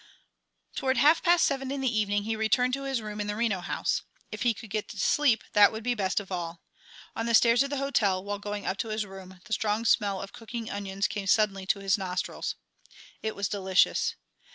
Toward half past seven in the evening he returned to his room in the Reno House. If he could get to sleep that would be best of all. On the stairs of the hotel, while going up to his room, the strong smell of cooking onions came suddenly to his nostrils. It was delicious.